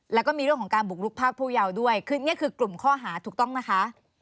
แล้วก็มีเรื่องของการบุกลุกภาคผู้เยาว์ด้วยคือนี่คือกลุ่มข้อหาถูกต้องนะคะ